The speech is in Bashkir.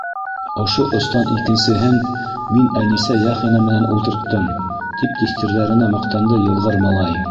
— Ошо остан икенсеһен мин Әнисә Яхина менән ултырттым, — тип тиҫтерҙәренә маҡтанды йылғыр малай.